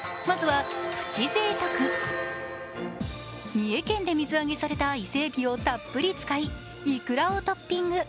三重県で水揚げされた伊勢えびをたっぷり使いいくらをトッピング。